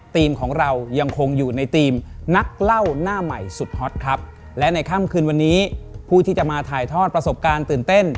ทีมของเรายังคงอยู่ในทีมนักเล่าหน้าใหม่สุดฮอตครับและในค่ำคืนวันนี้ผู้ที่จะมาถ่ายทอดประสบการณ์ตื่นเต้น